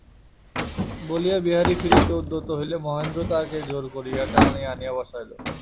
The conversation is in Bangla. বলিয়া বিহারী ফিরিতে উদ্যত হইলে, মহেন্দ্র তাহাকে জোর করিয়া টানিয়া আনিয়া বসাইল।